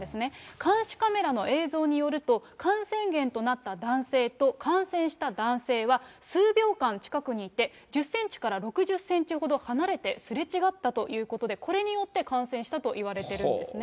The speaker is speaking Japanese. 監視カメラの映像によると、感染源となった男性と感染した男性は、数秒間近くにいて、１０センチから６０センチほど離れてすれ違ったということで、これによって感染したといわれているんですね。